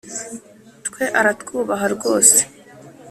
twe aratwubaha rwose-